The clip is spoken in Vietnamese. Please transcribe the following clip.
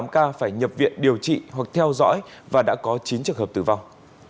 một mươi ca phải nhập viện điều trị hoặc theo dõi và đã có chín trường hợp tử vong